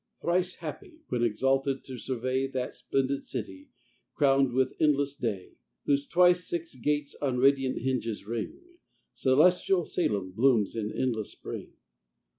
Thrice happy, when exalted to survey That splendid city, crown'd with endless day, Whose twice six gates on radiant hinges ring: Celestial Salem blooms in endless spring.